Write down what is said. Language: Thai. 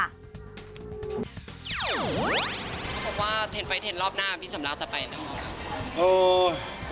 พี่บ๊วยบ๊วยบ๊วยว่าเทรนด์ไฟต์เทรนด์รอบหน้าพี่สมรักษ์จะไปแล้ว